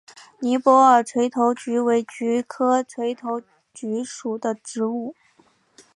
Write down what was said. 尼泊尔垂头菊为菊科垂头菊属的植物。